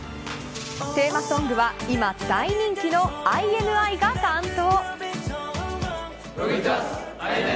テーマソングは今、大人気のＩＮＩが担当。